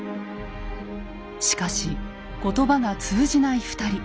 しかし言葉が通じない２人。